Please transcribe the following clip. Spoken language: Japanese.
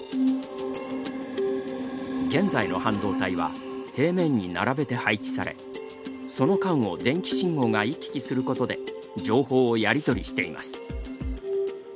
現在の半導体は平面に並べて配置されその間を電気信号が行き来することで情報をやり取りしています。